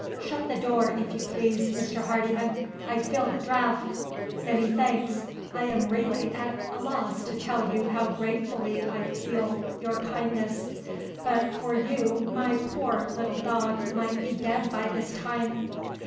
"Shut the door, if you please, Mr. Hardyman. I feel the draught. Many thanks! I am really at a loss to tell you how gratefully I feel your kindness. But for you my poor little dog might be dead by this time."